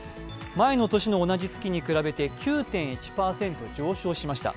前の年の同じ月に比べて９．１％上昇しました。